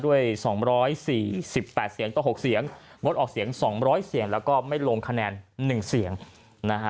ด้วยสองร้อยสี่สิบแปดเสียงต้อหกเสียงมดออกเสียงสองร้อยเสียงแล้วก็ไม่ลงคะแนนหนึ่งเสียงนะฮะ